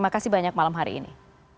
sudah bergabung di sini